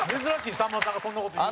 さんまさんがそんな事言うの。